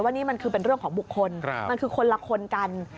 นี่มันคือเป็นเรื่องของบุคคลมันคือคนละคนกัน